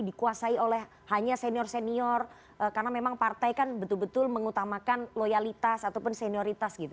dikuasai oleh hanya senior senior karena memang partai kan betul betul mengutamakan loyalitas ataupun senioritas gitu